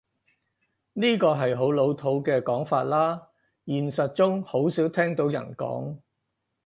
呢個係好老土嘅講法喇，現實中好少聽到人講